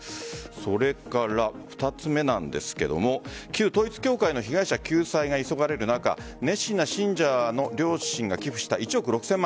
それから２つ目なんですが旧統一教会の被害者救済が急がれる中熱心な信者の両親が寄付した１億６０００万円。